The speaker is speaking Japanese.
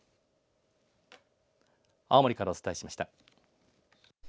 青森からお伝えしました。